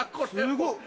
すごい。